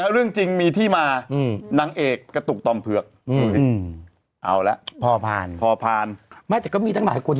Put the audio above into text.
เรื่องจริงมีที่มานางเอกกระตุกตอมเผือกเอาแล้วพอผ่านพอผ่านไม่ได้ก็มี